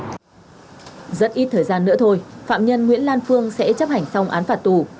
rất ít thời gian nữa thôi phạm nhân nguyễn lan phương sẽ chấp hành xong án phạt tù